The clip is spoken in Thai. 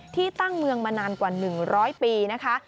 ที่ตั้งเมืองมานานกว่า๑๐๐ปีนะคะ